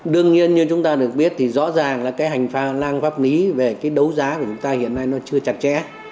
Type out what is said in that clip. đương nhiên như chúng ta được biết thì rõ ràng là cái hành pha lang pháp lý về cái đấu giá của chúng ta hiện nay nó chưa chặt chẽ